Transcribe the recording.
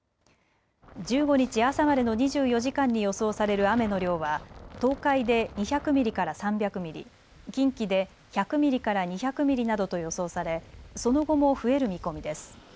１５日朝までの２４時間に予想される雨の量は東海で２００ミリから３００ミリ、近畿で１００ミリから２００ミリなどと予想されその後も増える見込みです。